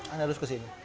anda harus kesini